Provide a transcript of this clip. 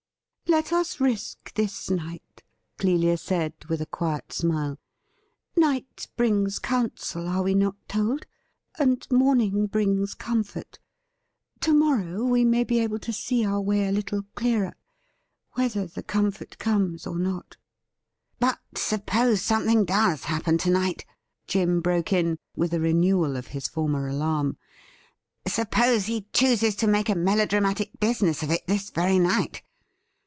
' Let us risk this night,' Clelia said, with a quiet smile. ♦WHAT IS TO BE DONE FIRST?' 281 • Night brings counsel, are we not told ? and morning brings comfort. To morrow we may be able to see our way a little clearer — whether the comfort comes or not.' 'But suppose something does happen to night?' Jim broke in, with a renewal of his former alarm. ' Suppose he chooses to make a melodramatic business of it this very night